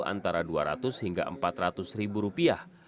antara dua ratus hingga empat ratus ribu rupiah